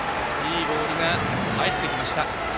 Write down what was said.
いいボールがかえってきました。